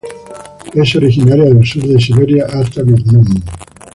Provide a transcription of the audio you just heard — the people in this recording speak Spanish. Es originaria del sur de Siberia hasta Vietnam.